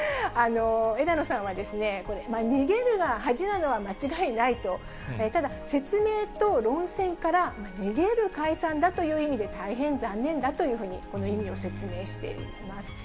枝野さんはですね、逃げるが恥なのは間違いないと、ただ、説明と論戦から逃げる解散だという意味で、大変残念だというふうに、この意味を説明しています。